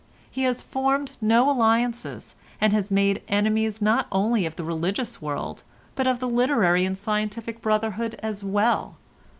"He has formed no alliances, and has made enemies not only of the religious world but of the literary and scientific brotherhood as well.